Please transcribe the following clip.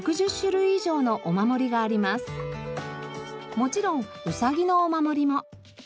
もちろんうさぎのお守りも。